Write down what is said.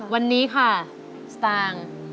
วันนี้ค่ะสตางค์